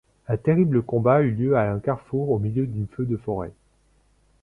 Un terrible combat eut lieu à un carrefour au milieu d'un feu de forêt.